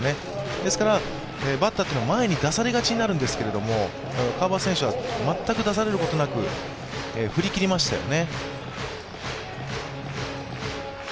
ですから、バッターは前に出されがちになるんですけど、川端選手は全く出されることなく振り切りましたよね。